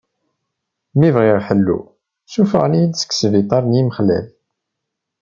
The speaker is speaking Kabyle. Mi bdiɣ ḥelluɣ, suffɣen-iyi-d seg sbiṭar n yimexlal.